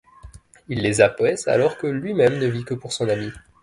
Il les apaise alors que lui-même ne vit que pour son ami.